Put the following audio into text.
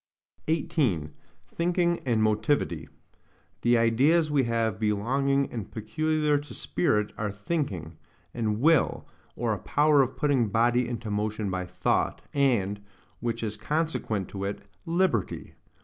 18. Thinking and Motivity The ideas we have belonging and PECULIAR TO SPIRIT, are THINKING, and WILL, or A POWER OF PUTTING BODY INTO MOTION BY THOUGHT, AND, WHICH IS CONSEQUENT TO IT, LIBERTY.